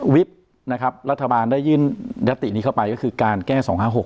วิธีระธบาลได้ยื่นดรตินี้เข้าไปก็คือการแก้๒๕๖